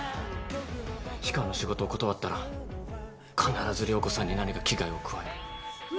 氷川の仕事を断ったら必ず涼子さんに何か危害を加える。